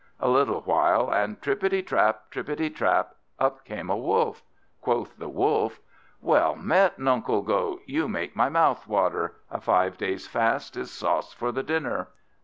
A little while, and trappity trap, trappity trap, up came a Wolf. Quoth the Wolf "Well met, Nuncle Goat; you make my mouth water. A five days' fast is sauce for the dinner."